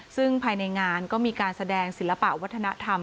ซึ่งภายในงานก็มีการแสดงศิลปะวัฒนธรรม